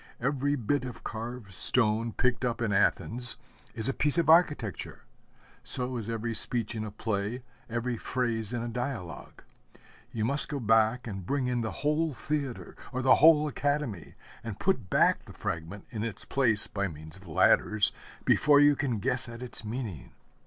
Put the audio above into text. Every bit of carved stone picked up in Athens is a piece of architecture; so is every speech in a play, every phrase in a dialogue. You must go back and bring in the whole Theatre or the whole Academy, and put back the fragment in its place by means of ladders, before you can guess at its meaning.